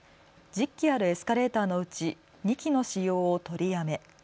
１０基あるエスカレーターのうち２基の使用を取りやめ。